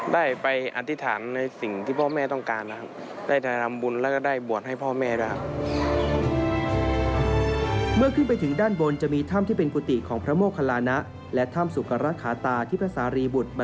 ได้ไปอธิษฐานในสิ่งที่พ่อแม่ต้องการนะครับ